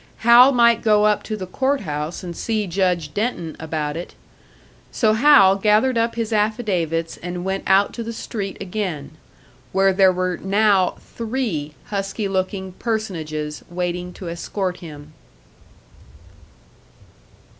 Hal might go up to the court house and see Judge Denton about it. So Hal gathered up his affidavits and went out to the street again where there were now three husky looking personages waiting to escort him.